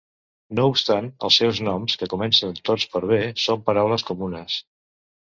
No obstant, els seus noms, que comencen tots per b, són paraules comunes.